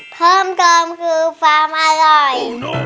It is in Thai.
เพิ่มเติมคือฟาร์มอร่อย